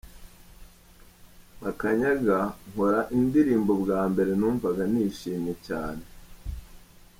Makanyaga: Nkora indirimbo bwa mbere numvaga nishimye cyane.